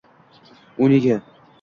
U nega